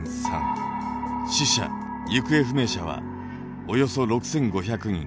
死者・行方不明者はおよそ６，５００人。